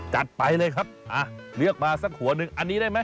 ไปเลยครับเลือกมาสักหัวหนึ่งอันนี้ได้ไหม